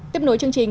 tiếp nối chương trình